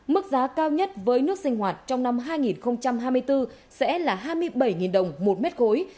mức giá cao nhất với nước sinh hoạt trong năm hai nghìn hai mươi bốn sẽ là hai mươi bảy đồng một mét khối